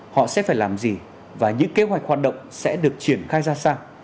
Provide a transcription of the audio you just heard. họ sẽ phải làm gì và những kế hoạch hoạt động sẽ được triển khai ra sao